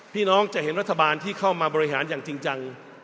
พี่น้องจะเห็นรัฐบาลที่เข้ามาบริหารอย่างจริงจัง